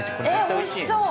◆おいしそう。